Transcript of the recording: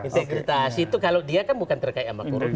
integritas itu kalau dia kan bukan terkait sama korupsi